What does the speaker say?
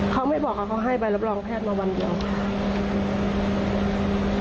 เขาไม่บอกค่ะเขาให้ใบรับรองแพทย์มาวันเดียวค่ะ